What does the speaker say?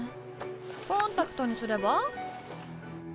コンタクトにすれば？